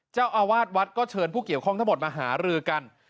เจ้าอาวาสวัดก็เชิญผู้เกี่ยวข้องทั้งหมดมาหารือกัน